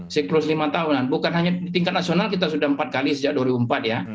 siklus lima tahunan bukan hanya di tingkat nasional kita sudah empat kali sejak dua ribu empat ya